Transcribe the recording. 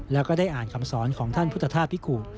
แล้วก็ได้อ่านคำสอนของท่านพุทธธาตุพิกุ